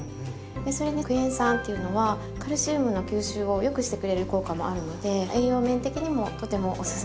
それにクエン酸っていうのはカルシウムの吸収をよくしてくれる効果もあるので栄養面的にもとてもおすすめ。